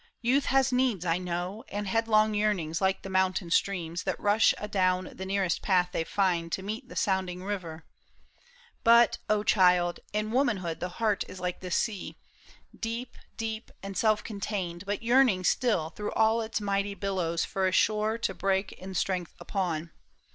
Youth has needs, I knov»'. And headlong yearnings like the mountain streams That rush adown the nearest path they find To meet the sounding river ; but, oh child. In womanhood the heart is like the sea. Deep, deep, and self contained, but yearning still Through all its mighty billows for a shore To break in strength upon.